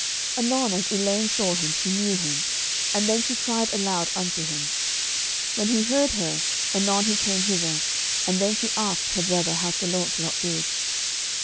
Anon as Elaine saw him she knew him, and then she cried aloud unto him. When he heard her, anon he came hither, and then she asked her brother how Sir Launcelot did.